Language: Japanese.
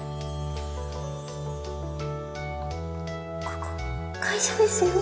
ここ会社ですよ